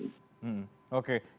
khususnya di era demokrasi saat ini